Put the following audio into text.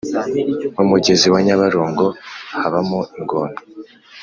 Mumugezi wanyabarongo habamo ingona